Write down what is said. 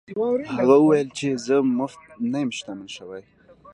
هغه وویل چې زه مفت نه یم شتمن شوی.